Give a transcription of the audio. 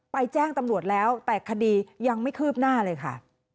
แจ้งตำรวจแล้วแต่คดียังไม่คืบหน้าเลยค่ะ